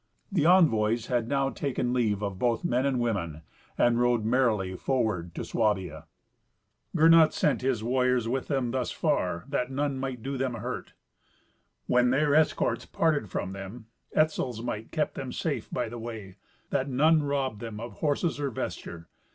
The envoys had now taken leave of both men and women, and rode merrily forward to Swabia. Gernot sent his warriors with them thus far, that none might do them a hurt. When their escorts parted from them, Etzel's might kept them safe by the way, that none robbed them of horses or vesture.